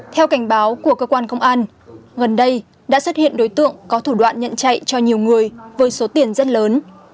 theo cảnh báo của cơ quan công an gần đây đã xuất hiện đối tượng có thủ đoạn nhận chạy cho nhiều người với số tiền rất lớn